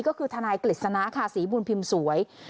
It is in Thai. ก็คือทางด้านของทางนายกฤษณาคาศีบูรพิมพ์สวย